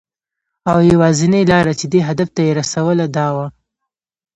او یوازېنۍ لاره چې دې هدف ته یې رسوله، دا وه .